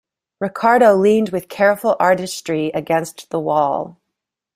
Ricardo leaned with careful artistry against the wall.